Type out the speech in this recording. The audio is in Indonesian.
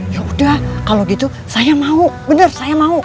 yaudah kalo gitu saya mau bener saya mau